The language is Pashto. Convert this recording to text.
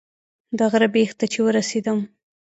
د غره بیخ ته چې ورسېدم.